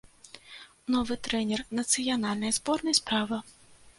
Новы трэнер нацыянальнай зборнай справа.